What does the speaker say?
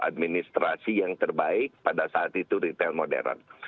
administrasi yang terbaik pada saat itu retail modern